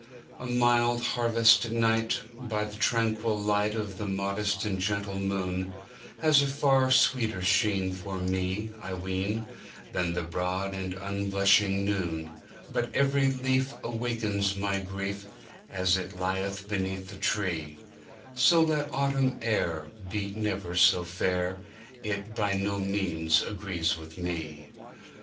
A mild harvest night, by the tranquil lightOf the modest and gentle moon, Has a far sweeter sheen for me, I ween, Than the broad and unblushing noon, But every leaf awakens my grief, As it lieth beneath the tree; So let Autumn air be never so fair, It by no means agrees with me.